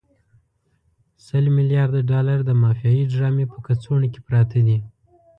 سل ملیارده ډالر د مافیایي ډرامې په کڅوړو کې پراته دي.